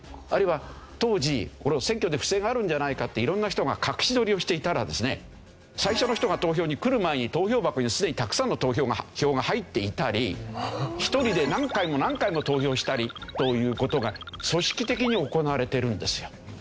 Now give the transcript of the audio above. あるいは当時選挙で不正があるんじゃないかって色んな人が隠し撮りをしていたらですね最初の人が投票に来る前に投票箱にすでにたくさんの票が入っていたり１人で何回も何回も投票したりという事が組織的に行われてるんですよ。